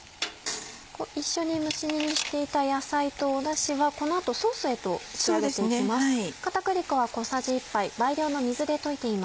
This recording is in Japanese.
一緒に蒸し煮にしていた野菜とダシはこの後ソースへと仕上げていきます。